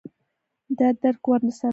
دا درک ور سره نشته